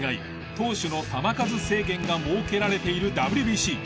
投手の球数制限が設けられているＷＢＣ。